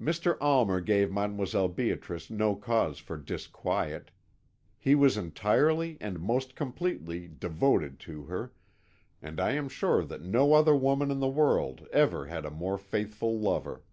"Mr. Almer gave Mdlle. Beatrice no cause for disquiet; he was entirely and most completely devoted to her, and I am sure that no other woman in the world ever had a more faithful lover.